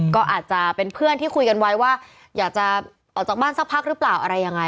ก็อาจจะเป็นเพื่อนที่คุยกันไว้ว่าอยากจะออกจากบ้านสักพักหรือเปล่าอะไรยังไง